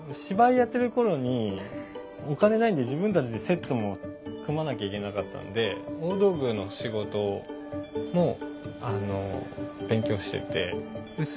芝居やってる頃にお金ないんで自分たちでセットも組まなきゃいけなかったんで大道具の仕事もあの勉強してて。